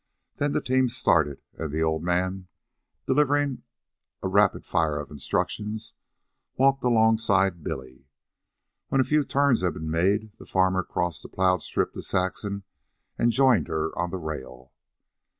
Then the team started, and the old man, delivering a rapid fire of instructions, walked alongside of Billy. When a few turns had been made, the farmer crossed the plowed strip to Saxon, and joined her on the rail.